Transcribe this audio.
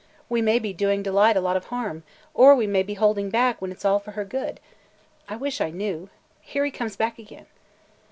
We may be doing Delight a lot of harm or we may be holding back when it 's all for her good. I wish I knew. Here he comes back again!"